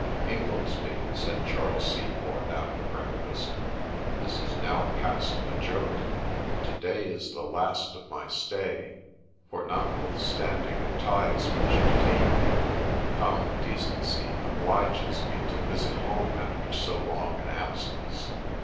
' Ingoldsby,' said Charles Seaforth, after breakfast, ' this is now past a joke ; to day is the last of my stay ; for, notwith standing the ties which detain me, common decency obliges me to visit home after so long an absence.